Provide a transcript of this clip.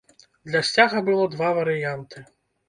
Для сцяга было два варыянты.